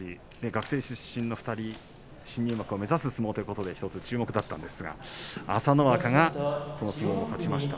学生出身の２人新入幕を目指す相撲ということで１つ注目だったんですが朝乃若がこの相撲を勝ちました。